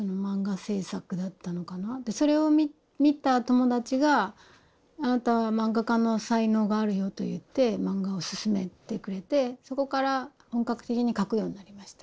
でそれを見た友達が「あなたは漫画家の才能があるよ」と言って漫画を勧めてくれてそこから本格的に描くようになりました。